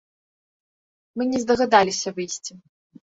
Мы не здагадаліся выйсці.